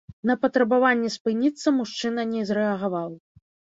На патрабаванне спыніцца мужчына не зрэагаваў.